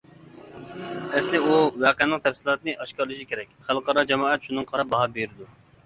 ئەسلى ئۇ ۋەقەنىڭ تەپسىلاتىنى ئاشكارىلىشى كېرەك، خەلقئارا جامائەت شۇنىڭغا قاراپ باھا بېرىدۇ.